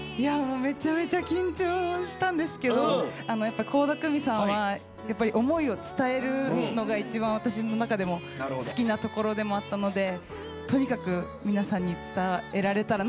めちゃめちゃ緊張したんですけどやっぱ倖田來未さんは思いを伝えるのが一番私の中でも好きなところでもあったのでとにかく皆さんに伝えられたらなと思って。